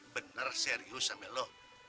bener serius sama lo